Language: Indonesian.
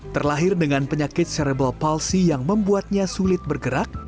terlahir dengan penyakit cerebral palsi yang membuatnya sulit bergerak